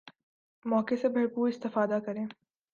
موقع سے بھرپور استفادہ کریں